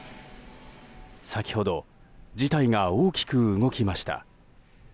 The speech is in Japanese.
先ほど事態が大きく動きました。